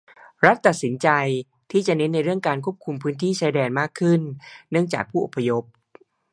รัฐตัดสินใจที่จะเน้นในเรื่องการควบคุมพื้นที่ชายแดนมากขึ้นเนื่องจากผู้อพยพ